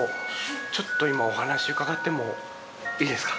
ちょっと今お話伺ってもいいですか？